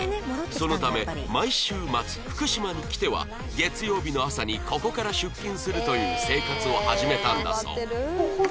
そのため毎週末福島に来ては月曜日の朝にここから出勤するという生活を始めたんだそう